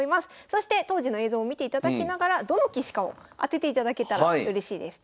そして当時の映像を見ていただきながらどの棋士かを当てていただけたらうれしいです。